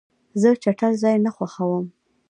زه چټل ځای نه خوښوم.